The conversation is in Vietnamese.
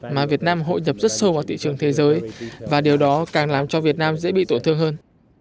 mà việt nam hội nhập rất sâu vào thị trường thế giới và điều đó càng làm cho việt nam dễ bị tổn thương hơn